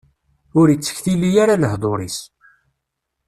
Ur ittektili ara lehḍur-is.